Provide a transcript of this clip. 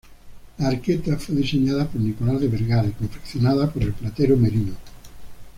La arqueta fue diseñada por Nicolás de Vergara y confeccionada por el platero Merino.